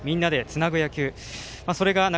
みんなでつなぐ野球。